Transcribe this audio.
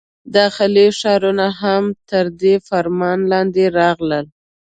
داخلي ښارونه هم تر دې فرمان لاندې راغلل.